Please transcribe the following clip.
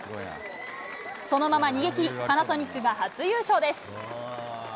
そのまま逃げきり、パナソニックが初優勝です。